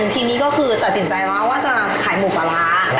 ทีนี้ก็คือตัดสินใจแล้วว่าจะขายหมูปลาร้า